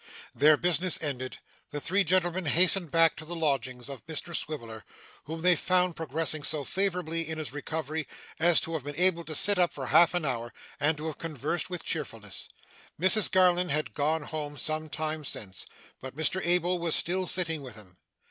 Their business ended, the three gentlemen hastened back to the lodgings of Mr Swiveller, whom they found progressing so favourably in his recovery as to have been able to sit up for half an hour, and to have conversed with cheerfulness. Mrs Garland had gone home some time since, but Mr Abel was still sitting with him.